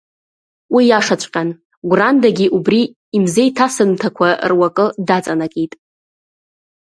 Уи иашаҵәҟьан, Гәрандагьы убри имзеиҭасымҭақәа руакы даҵанакит.